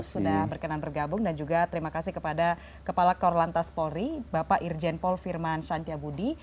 sudah berkenan bergabung dan juga terima kasih kepada kepala korlantas polri bapak irjen paul firman shantya budi